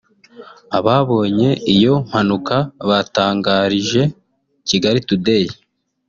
Ababonye iyo mpanuka batangarije Kigali Today